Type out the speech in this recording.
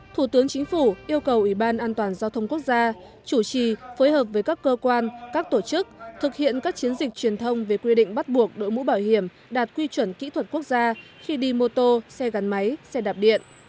thủ tướng chính phủ yêu cầu ủy ban an toàn giao thông quốc gia chủ trì phối hợp với các cơ quan các tổ chức thực hiện các chiến dịch truyền thông về quy định bắt buộc đội mũ bảo hiểm đạt quy chuẩn kỹ thuật quốc gia khi đi mô tô xe gắn máy xe đạp điện